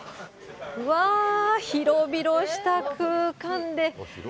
うわー、広々した空間で。